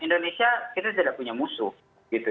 indonesia kita tidak punya musuh gitu